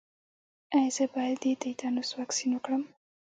ایا زه باید د تیتانوس واکسین وکړم؟